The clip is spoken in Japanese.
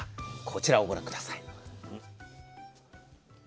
こちらをご覧下さい。